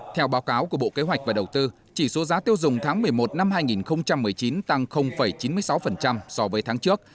theo báo cáo của bộ kế hoạch và đầu tư chỉ số giá tiêu dùng tháng một mươi một năm hai nghìn một mươi chín tăng chín mươi sáu so với tháng trước